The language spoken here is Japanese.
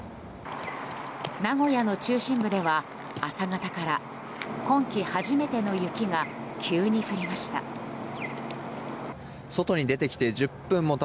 名古屋の中心部では朝方から今季初めての雪が急に降りました。